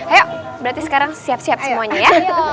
ayo berarti sekarang siap siap semuanya ya